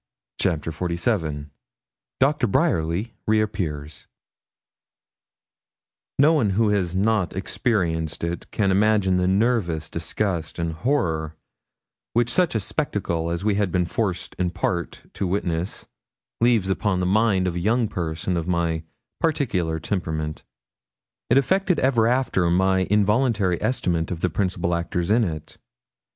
CHAPTER XLVII DOCTOR BRYERLY REAPPEARS No one who has not experienced it can imagine the nervous disgust and horror which such a spectacle as we had been forced in part to witness leaves upon the mind of a young person of my peculiar temperament. It affected ever after my involuntary estimate of the principal actors in it.